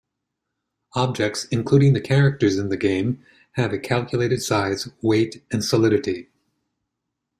Objects, including the characters in the game, have a calculated size, weight and solidity.